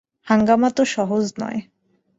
হাঙ্গামা তো সহজ নয়!